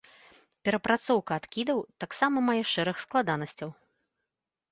Перапрацоўка адкідаў таксама мае шэраг складанасцяў.